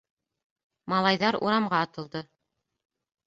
Малайҙар урамға атылды.